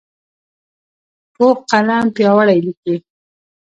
پوخ قلم پیاوړی لیکي